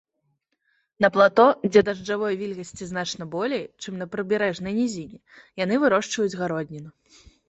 На плато, дзе дажджавой вільгаці значна болей, чым на прыбярэжнай нізіне, яны вырошчваюць гародніну.